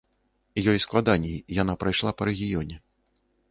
Ёй складаней, яна прайшла па рэгіёне.